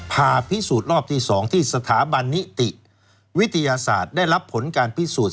ผ่าพิสูจน์รอบที่๒ที่สถาบันนิติวิทยาศาสตร์ได้รับผลการพิสูจน์